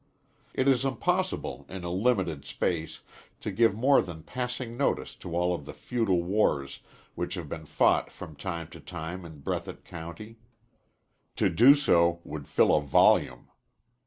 It is impossible in a limited space to give more than passing notice to all of the feudal wars which have been fought from time to time in Breathitt County. To do so would fill a volume.